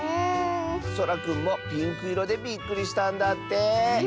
そらくんもピンクいろでびっくりしたんだって。